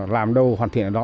làm đâu hoàn thiện ở đó